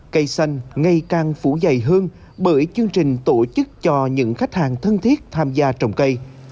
cây xanh ngày càng phủ dày hơn bởi chương trình tổ chức cho những khách hàng thân thiết tham gia trồng cây